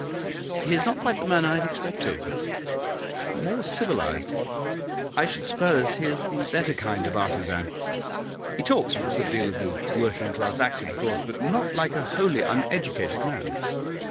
'He is not quite the man I had expected; more civilised. I should suppose he is the better kind of artisan. He talks with a good deal of the working class accent, of course, but not like a wholly uneducated man.